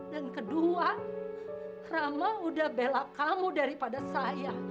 dan kedua rama udah bela kamu daripada saya